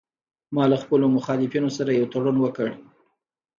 ما له خپلو مخالفینو سره یو تړون وکړ